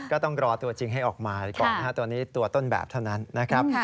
ก็ต้องรอตัวจริงให้ออกมาก่อนนะครับตัวนี้ตัวต้นแบบเท่านั้นนะครับ